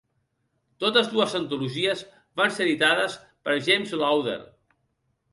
Totes dues antologies van ser editades per James Lowder.